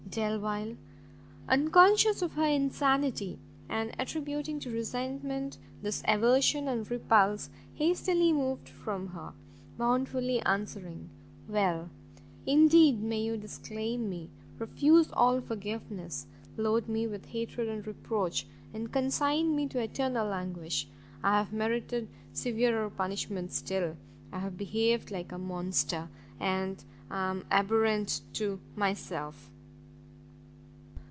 Delvile, unconscious of her insanity, and attributing to resentment this aversion and repulse, hastily moved from her, mournfully answering, "Well indeed may you disclaim me, refuse all forgiveness, load me with hatred and reproach, and consign me to eternal anguish! I have merited severer punishment still; I have behaved like a monster, and I am abhorrent to myself!"